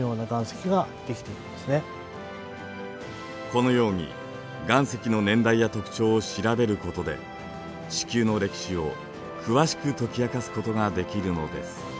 このように岩石の年代や特徴を調べることで地球の歴史を詳しく解き明かすことができるのです。